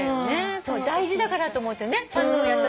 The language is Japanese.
大事だからと思ってねちゃんとやったつもりがね。